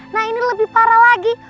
nah ini lebih parah lagi